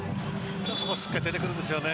しっかり出てくるんですよね